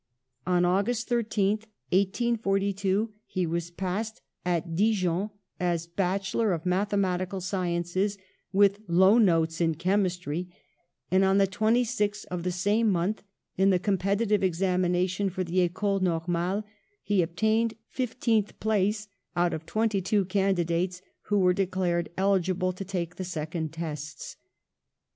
On August 13, 1842, he was passed, at Dijon, as Bachelor of Mathematical Sciences, with low notes in chemistry, and on the 26th of the same month, in the competitive examination for the Ecole Normale, he obtained fifteenth place out of the twenty two candidates who were declared eligible to take the second tests.